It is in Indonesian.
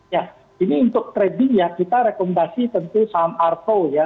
ya ini untuk trading ya kita rekomendasi tentu saham artho ya